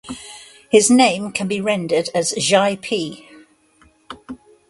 His name can be rendered as Jia Pi.